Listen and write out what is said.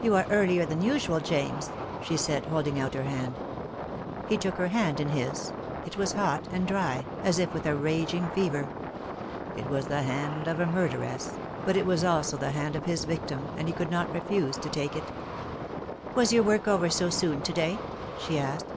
"You are earlier than usual, James," she said, hold ing out her hand. He took the hand in his; it was hot and dry, as if with a raging fever. It was the hand of a murderess; 25O THE DAY WILL COME. but it was also the hand of his victim, and he could not refuse to take it. "Was your work over so soon to day?" she asked.